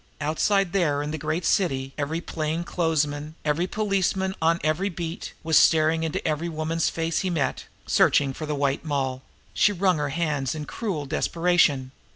Outside there in the great city, every plain clothes man, every policeman on every beat, was staring into every woman's face he met searching for the White Moll. She wrung her hands in cruel desperation.